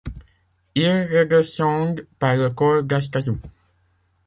Ils redescendent par le col d'Astazou.